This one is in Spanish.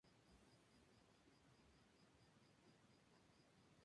Brown estaba desarmado.